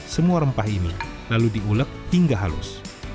semua rempah ini lalu diulek hingga halus